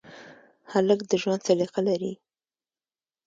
هلک د ژوند سلیقه لري.